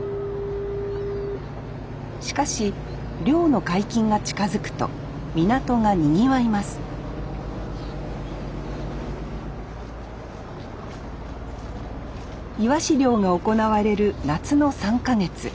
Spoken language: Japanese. しかし漁の解禁が近づくと港がにぎわいますイワシ漁が行われる夏の３か月。